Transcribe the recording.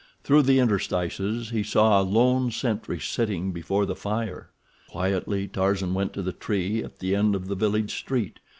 Through the interstices he saw a lone sentry sitting before the fire. Quietly Tarzan went to the tree at the end of the village street.